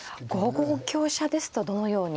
５五香車ですとどのように。